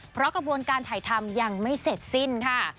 เพราะกระบวนการถ่ายทำยังไม่เสร็จสิ้นค่ะ